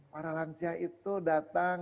para lansia itu datang